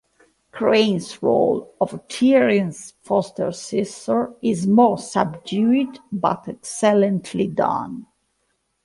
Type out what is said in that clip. Crain's role of Tierney's foster-sister is more subdued but excellently done.